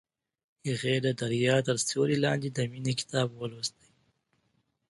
هغې د دریا تر سیوري لاندې د مینې کتاب ولوست.